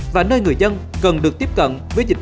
và nơi người dân cần được tiếp cận với dịch